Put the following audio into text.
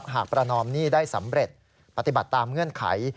ประนอมหนี้ได้สำเร็จปฏิบัติตามเงื่อนไข